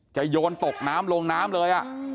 โยนตกน้ำลงน้ำเลย